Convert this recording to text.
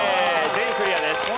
全員クリアです。